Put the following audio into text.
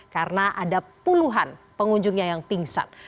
karena ada puluhan pengunjungnya yang pingsan